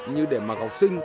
như để mà học sinh